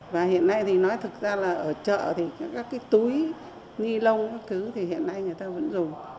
và hiện nay thì nói thực ra là ở chợ thì các cái túi ni lông các thứ thì hiện nay người ta vẫn dùng